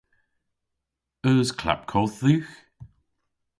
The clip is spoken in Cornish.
Eus klapkodh dhywgh?